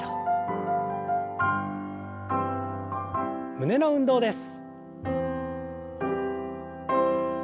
胸の運動です。